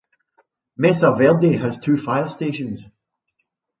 Mesa Verde has two fire stations.